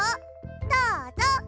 どうぞ。